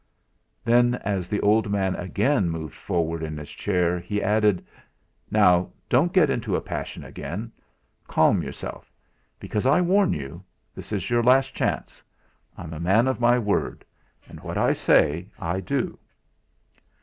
Then, as the old man again moved forward in his chair, he added: "Now, don't get into a passion again; calm yourself, because I warn you this is your last chance. I'm a man of my word; and what I say, I do."